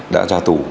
đã ra tù